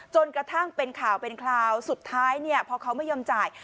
จนกระทั่งเป็นข่าวสุดท้ายพอเขาไม่ยอมจ่าย